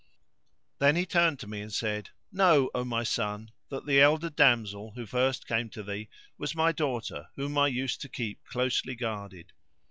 Then he turned to me and said, "Know, O my son, that the elder damsel who first came to thee was my daughter whom I used to keep closely guarded.